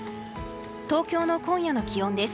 東京の今夜の気温です。